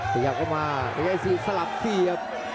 พยายามเข้ามาพยายามที่สี่สลับเสียบ